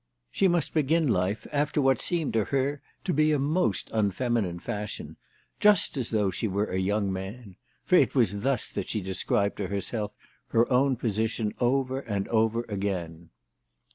She must begin life after what seemed to her 266 THE TELEGRAPH GIRL. to be a most unfeminine fashion, "just as though she were a young man," for it was thus that she de scribed to herself her own position over and over again.